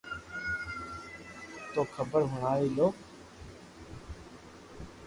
تو خبر ھوڻاوي لو